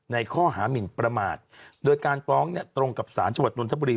ในข้อหามิลประมาทโดยการฟ้องตรงกับสารชวดนทรัพบุรี